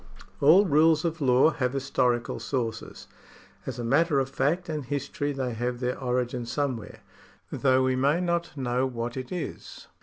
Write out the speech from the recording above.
All rules of law have historical sources. As a matter of fact and history they have their origin somewhere, though we may not know what it is.